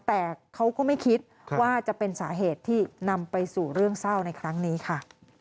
แต่เขาก็ไม่คิดว่าจะเป็นสาเหตุที่นำไปสู่เรื่องเศร้าในครั้งนี้ค่ะ